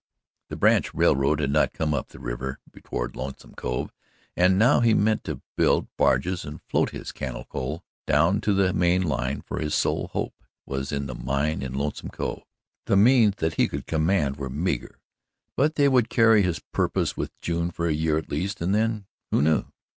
The branch railroad had not come up the river toward Lonesome Cove, and now he meant to build barges and float his cannel coal down to the main line, for his sole hope was in the mine in Lonesome Cove. The means that he could command were meagre, but they would carry his purpose with June for a year at least and then who knew?